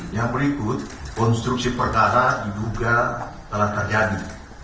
yang berikut konstruksi perkara diduga telah terjadi